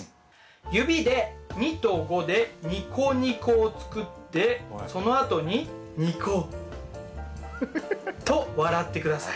指で２と５でニコニコを作ってそのあとにニコッ。と笑って下さい。